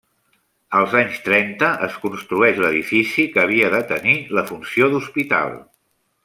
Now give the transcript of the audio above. Als anys trenta es construeix l'edifici que havia de tenir la funció d'hospital.